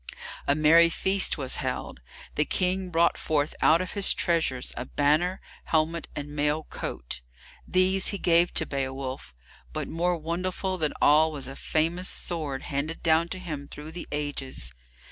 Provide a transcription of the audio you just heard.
A merry feast was held. The King brought forth out of his treasures a banner, helmet, and mail coat. These he gave to Beowolf; but more wonderful than all was a famous sword handed down to him through the ages.